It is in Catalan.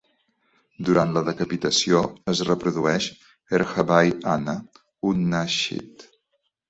Durant la decapitació, es reprodueix "Erhaby Ana", un nasheed.